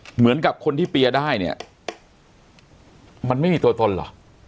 เหมือนกับคนที่เปียร์ได้เนี่ยมันไม่มีตัวตนเหรอ